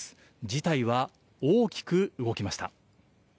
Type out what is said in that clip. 事態は大きく動きました。